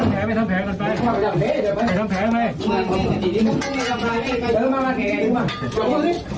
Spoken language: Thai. ใจเย็นนะไม่เป็นไร